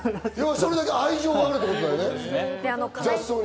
それだけ愛情があるってことだよね、雑草に。